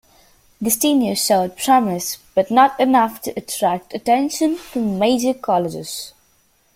Gastineau showed promise, but not enough to attract attention from major colleges.